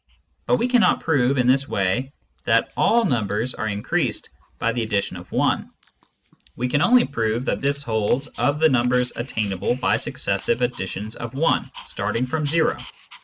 But we cannot prove in this way that all numbers are increased by the addition of i ; we can only prove that this holds of the numbers attain able by successive additions of i starting from o.